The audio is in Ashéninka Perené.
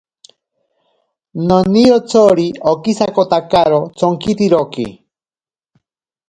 Nonirotsori okisakotakaro tsonkitiroki.